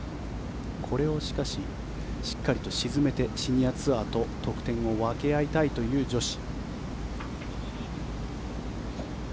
これをしかし、しっかりと沈めてシニアツアーと得点を分け合いたいという女子。